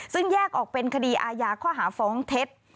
ซึ่งแยกออกเป็นคดีอาญาข้อหาฟ้องเท็จ